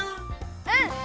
うん！